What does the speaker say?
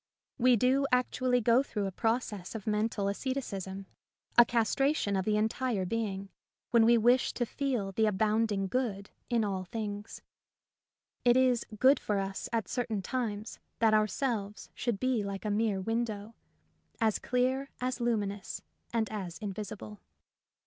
We do actually go through a process of mental asceticism, a castration of the entire being, when we wish to feel the abounding good in all things. It is «;Ood for us at certain times that our [ 71 ] A Defence of Humility selves should be like a mere window — ^as clear, as luminous, and as invisible.